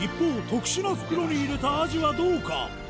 特殊な袋に入れたアジはどうか？